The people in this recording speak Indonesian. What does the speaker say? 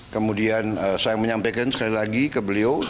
kemudian saya menyampaikan sekali lagi ke beliau